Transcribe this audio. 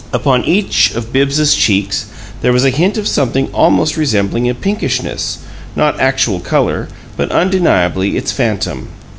Upon each of Bibbs's cheeks there was a hint of something almost resembling a pinkishness; not actual color, but undeniably its phantom.